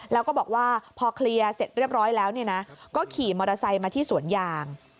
แล้วก็บอกว่าพอเคลียร์เสร็จเรียบร้อยแล้วเนี่ยนะก็ขี่มอเตอร์ไซค์มาที่สวนยาง